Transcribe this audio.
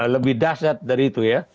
lebih dahsyat dari itu ya